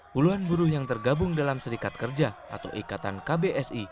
puluhan buruh yang tergabung dalam serikat kerja atau ikatan kbsi